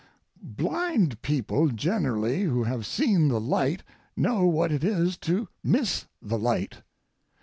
Blind people generally who have seen the light know what it is to miss the light.